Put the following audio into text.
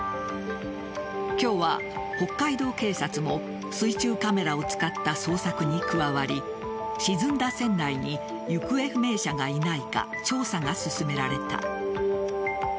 今日は北海道警察も水中カメラを使った捜索に加わり沈んだ船内に行方不明者がいないか調査が進められた。